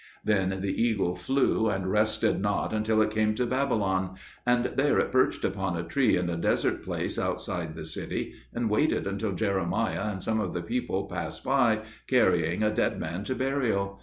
Then the eagle flew and rested not till it came to Babylon; and there it perched upon a tree in a desert place outside the city, and waited until Jeremiah and some of the people passed by, carrying a dead man to burial.